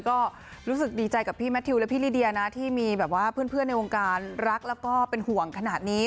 ก็รู้สึกดีใจกับพี่แมททิวและพี่ลิเดียนะที่มีแบบว่าเพื่อนในวงการรักแล้วก็เป็นห่วงขนาดนี้